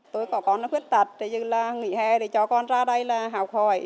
tôi có con khuyết tật như là nghỉ hè cho con ra đây là học hỏi